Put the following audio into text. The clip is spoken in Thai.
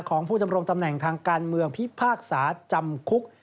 ของผู้ดำรงตำแหน่งทางการเมืองพิพากษาจำคุก